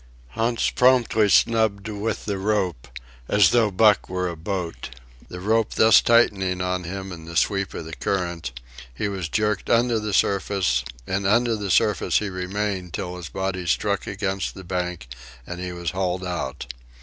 Hans promptly snubbed with the rope, as though Buck were a boat. The rope thus tightening on him in the sweep of the current, he was jerked under the surface, and under the surface he remained till his body struck against the bank and he was hauled out.